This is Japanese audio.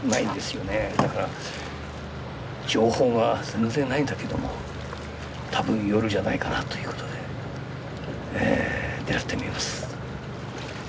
だから情報が全然ないんだけども多分夜じゃないかなということでええ狙ってみます。